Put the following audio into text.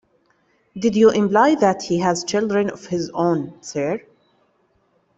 Did you imply that he has children of his own, sir?